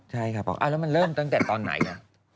แล้วมันเริ่มตั้งแต่ตอนไหน